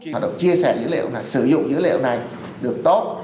hoạt động chia sẻ dữ liệu là sử dụng dữ liệu này được tốt